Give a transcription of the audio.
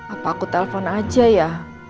apa aku telpon aja ya